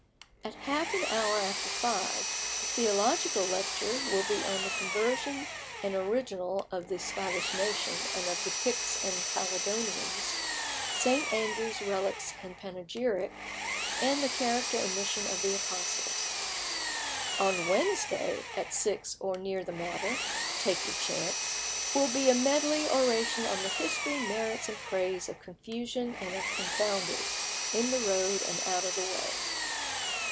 At half an hour after five, the theological lecture will be on the conversion and original of the Scottish nation and of the Picts and Caledonians, St. Andrew's relics and panegyric, and the character and mission of the Apostles. "On Wednesday, at six or near the matter, take your chance, will be a medley oration on the history, merits, and praise of confusion and of confounders, in the road and out of the way.